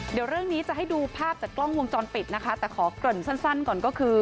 เดี๋ยวเรื่องนี้จะให้ดูภาพจากกล้องวงจรปิดนะคะแต่ขอเกริ่นสั้นก่อนก็คือ